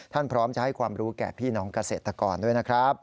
พร้อมจะให้ความรู้แก่พี่น้องเกษตรกรด้วยนะครับ